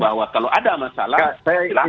bahwa kalau ada masalah